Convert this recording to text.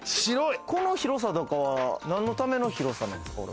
この広さとかは何のための広さなんですか？